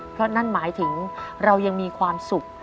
เพราะนั่นหมายถึงเรายังมีความสุข